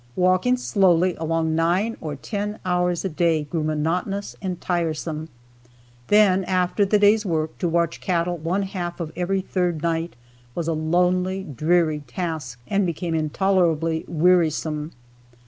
Walking slowly along nine or ten hours a day grew monotonous and tiresome. Then, after the day's work, to watch cattle one half of every third night was a lonely, dreary task, and became intolerably wearisome.